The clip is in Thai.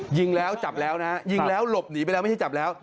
ยิงแล้วจับแล้วนะยิงแล้วหลบหนีไปแล้วไม่ใช่จับแล้ว